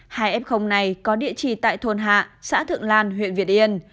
hai f này có địa chỉ tại thôn hạ xã thượng lan huyện việt yên